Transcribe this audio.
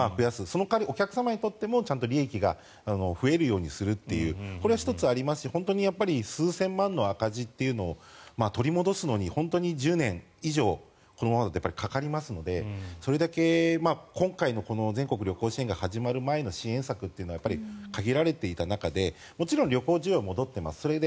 その代わり、お客様にとってもちゃんと利益が増えるようにするというこれは１つありますし本当に数千万の赤字を取り戻すのに、１０年以上このままだとかかりますのでそれだけ今回の全国旅行支援が始まる前の支援策というのは限られていた中でもちろん旅行需要は戻っています